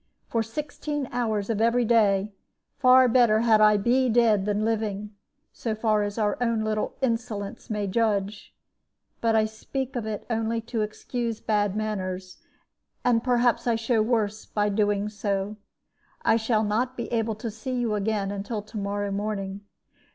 For sixteen hours of every day, far better had I be dead than living, so far as our own little insolence may judge. But I speak of it only to excuse bad manners, and perhaps I show worse by doing so. I shall not be able to see you again until to morrow morning.